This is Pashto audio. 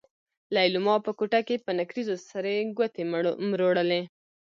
ليلما په کوټه کې په نکريزو سرې ګوتې مروړلې.